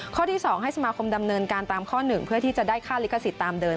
ข้อที่๒ให้สมาคมดำเนินการตามข้อ๑เพื่อที่จะได้ค่าลิขสิทธิ์ตามเดิม